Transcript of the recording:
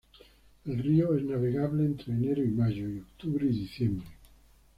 El río es navegable entre enero y mayo, y octubre y diciembre.